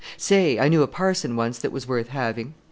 "Say! I knew a parson once that was worth having.